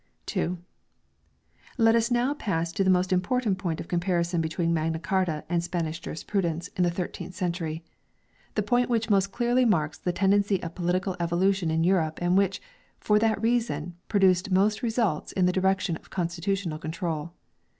II. Let us now pass to the most important point of comparison between Magna Carta and Spanish Juris 1 See McKechnie. 238 MAGNA CARTA AND prudence in the thirteenth century, the point which most clearly marks the tendency of political evolution in Europe and which, for that reason, produced most results in the direction of constitutional control.